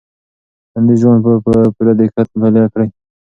ټولنیز ژوند په پوره دقت مطالعه کړئ.